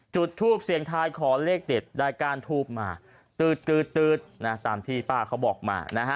จุดทูปเสียงทายขอเลขเด็ดได้ก้านทูบมาตื๊ดนะตามที่ป้าเขาบอกมานะฮะ